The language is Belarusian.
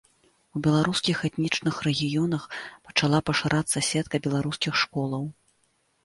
У беларускіх этнічных рэгіёнах пачала пашырацца сетка беларускіх школаў.